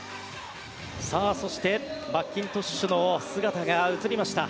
そして、マッキントッシュの姿が映りました。